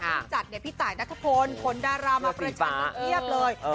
พรุ่งจัดเนี่ยพี่ตายนัทธพลคนดารามะประชาติเทียบเลย